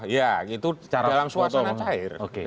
ya itu dalam suasana cair